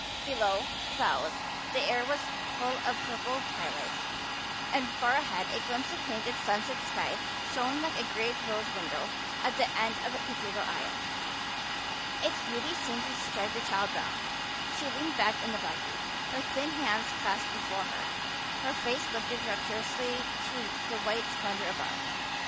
Below the boughs the air was full of a purple twilight and far ahead a glimpse of painted sunset sky shone like a great rose window at the end of a cathedral aisle. Its beauty seemed to strike the child dumb. She leaned back in the buggy, her thin hands clasped before her, her face lifted rapturously to the white splendor above.